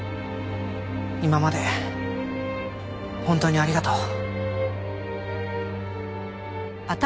今まで本当にありがとう。